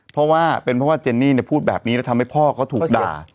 เพราะว่าเป็นเพราะว่าเจนนี่พูดแบบนี้แล้วทำให้พ่อเขาถูกด่า